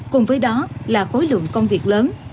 cùng với đó là khối lượng công việc lớn